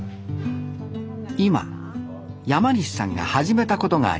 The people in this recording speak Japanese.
今山西さんが始めたことがあります